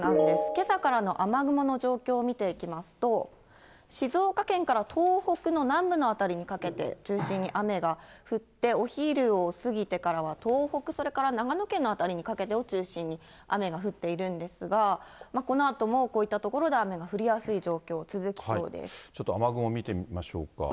けさからの雨雲の状況を見ていきますと、静岡県から東北の南部の辺りにかけて中心に雨が降って、お昼を過ぎてからは東北、それから長野県の辺りにかけてを中心に雨が降っているんですが、このあともこういった所で雨が降りやすい状況、ちょっと雨雲見てみましょうか。